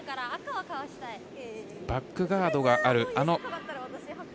バックガードがある、あの。